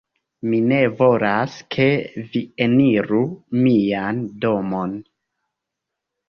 Mi ne volas, ke vi eniru mian domon